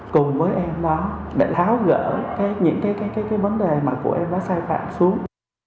cùng với em đó để tháo gỡ những cái vấn đề mà của em nó sai phạm xuống